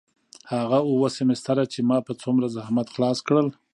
هغه اووه سمستره چې ما په څومره زحمت خلاص کړل.